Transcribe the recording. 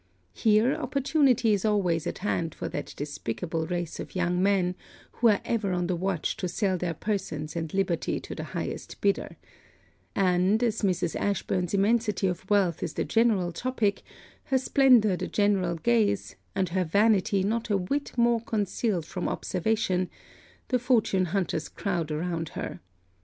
Here, opportunity is always at hand for that despicable race of young men who are ever on the watch to sell their persons and liberty to the highest bidder; and, as Mrs. Ashburn's immensity of wealth is the general topic, her splendor the general gaze, and her vanity not a whit more concealed from observation, the fortune hunters crowd around her.